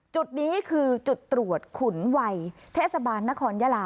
จุดนี้คือจุดตรวจขุนวัยเทศบาลนครยาลา